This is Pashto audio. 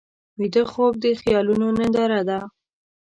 ویده خوب د خیالونو ننداره ده